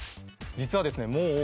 実はですねもう。